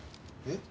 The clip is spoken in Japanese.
えっ？